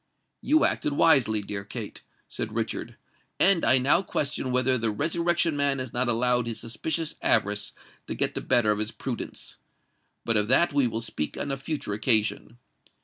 "You acted wisely, dear Kate," said Richard; "and I now question whether the Resurrection Man has not allowed his suspicious avarice to get the better of his prudence. But of that we will speak on a future occasion.